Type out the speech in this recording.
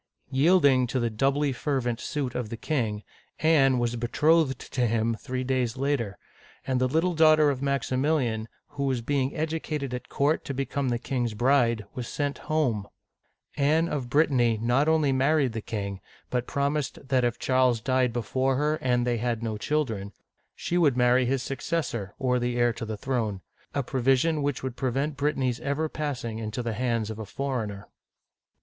Yielding to the doubly fervent suit of the king, Anne was betrothed to him three days later, — and the little daughter of Maximilian, who was being educated at court to become the king's bride, was sent home ! Anne of Brittany not only married the king, but promised that if Charles died before her, and they had no children, she would marry his successor, or the. heir to the throne, — a provision which would prevent Brittany's ever passing into the hands of a foreigner.